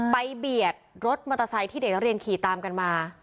เบียดรถมอเตอร์ไซค์ที่เด็กนักเรียนขี่ตามกันมา